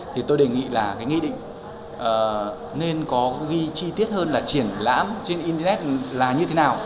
thì tôi đề nghị là cái nghị định nên có ghi chi tiết hơn là triển lãm trên internet là như thế nào